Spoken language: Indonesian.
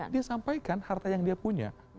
dia sampaikan harta yang dia punya